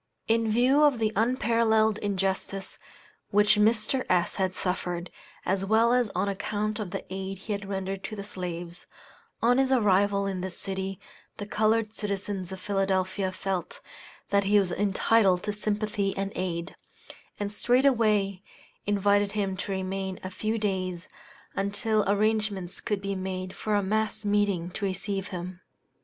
In view of the unparalleled injustice which Mr. S. had suffered, as well as on account of the aid he had rendered to the slaves, on his arrival in this city the colored citizens of Philadelphia felt that he was entitled to sympathy and aid, and straightway invited him to remain a few days, until arrangements could be made for a mass meeting to receive him.